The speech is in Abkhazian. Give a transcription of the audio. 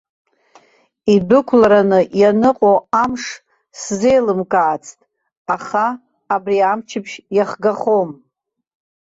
Идәықәлараны ианыҟоу амш сзеилымкаацт, аха абри амчыбжь иахгахом.